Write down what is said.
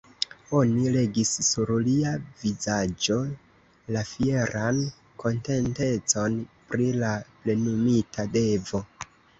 Oni legis sur lia vizaĝo la fieran kontentecon pri la plenumita devo.